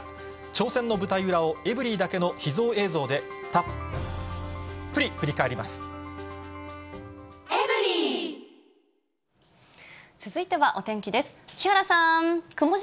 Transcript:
挑戦の舞台裏を、エブリィだけの秘蔵映像で、たっぷり振り返りま続いてはお天気です。